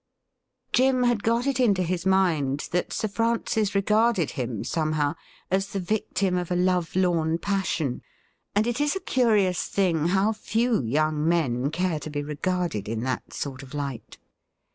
Jim had got it into his mind that Sir Francis regarded him somehow as the victim of a love lorn passion, and it is a cm ious thing how few yoimg men care to be regarded in that sort of light.